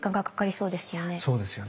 そうですよね。